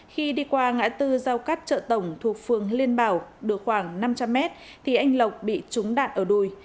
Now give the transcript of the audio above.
khi đi qua ngã tư giao cắt chợ tổng thuộc phường liên bảo được khoảng năm trăm linh mét thì anh lộc bị trúng đạn ở đùi